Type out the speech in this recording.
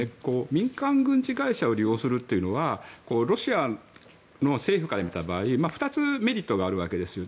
民間軍事会社を利用するというのはロシアの政府から見た場合２つメリットがあるわけです。